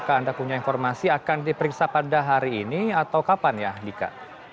apakah anda punya informasi akan diperiksa pada hari ini atau kapan ya dika